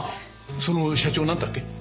その社長なんだっけ？